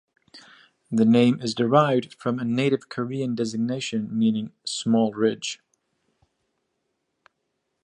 The name is derived from a native Korean designation meaning small ridge.